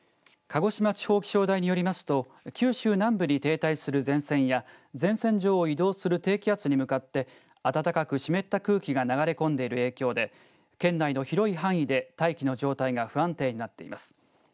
鹿児島地方気象台によりますと九州南部に停滞する前線や前線上を移動する低気圧に向かって暖かく湿った空気が流れ込んでいる影響で県内の広い範囲で大気の状態が不安定になっています。